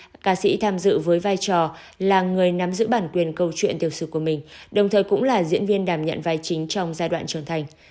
các ca sĩ tham dự với vai trò là người nắm giữ bản quyền câu chuyện tiểu sử của mình đồng thời cũng là diễn viên đảm nhận vai chính trong giai đoạn trưởng thành